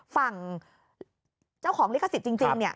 ฝั่งเจ้าของลิขสิทธิ์จริงเนี่ย